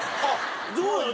そうなの？